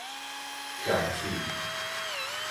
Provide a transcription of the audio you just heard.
儉喙